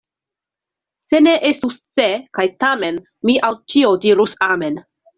Se ne estus "se" kaj "tamen", mi al ĉio dirus amen.